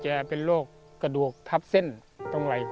เป็นโรคกระดูกทับเส้นตรงอะไร